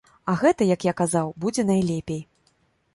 А гэтак, як я казаў, будзе найлепей.